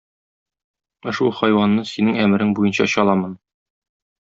Ошбу хайванны Синең әмерең буенча чаламын.